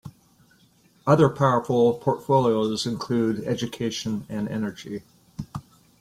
Other powerful portfolios include Education and Energy.